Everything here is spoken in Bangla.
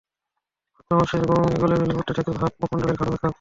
ভাদ্র মাসের গরমে গলে গলে পড়তে থাকে তার মুখমণ্ডলের গাঢ় মেকআপ।